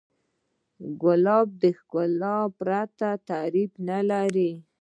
ګلاب د ښکلا پرته تعریف نه لري.